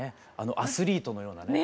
アスリートのようなね。